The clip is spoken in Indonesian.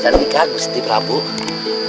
jadika gusti prabowo